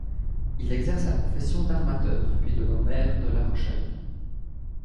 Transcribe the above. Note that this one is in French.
Il exerce la profession d’armateur, puis devint maire de La Rochelle.